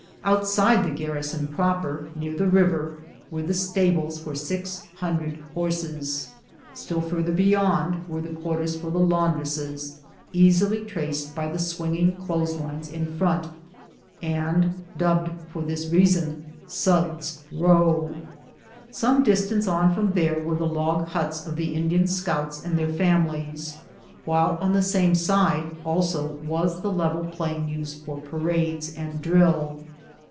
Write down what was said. Outside the garrison proper, near the river, were the stables for six hundred horses. Still farther beyond were the quarters for the laundresses, easily traced by the swinging clothes lines in front, and dubbed for this reason " Suds Row." Some distance on from there were the log huts of the Indian scouts and their families, while on the same side also was the level plain used for parades and drill.